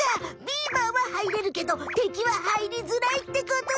ビーバーは入れるけど敵は入りづらいってことだむ！